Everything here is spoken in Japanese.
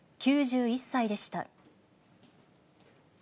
９１歳でした。